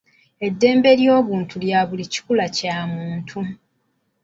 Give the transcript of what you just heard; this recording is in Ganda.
Eddembe ly'obuntu lya buli kikula Kya muntu.